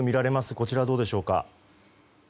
こちらどうでしょうか。